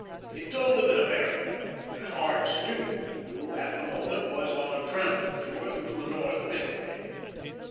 It told of an American, an art student, who at the moment was on a tramping tour through the north of Italy.